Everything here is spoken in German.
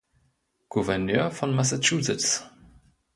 Gouverneur von Massachusetts.